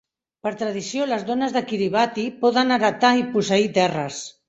Per tradició, les dones de Kiribati poden heretar i posseir terres.